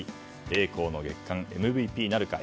栄光の月間ＭＶＰなるか。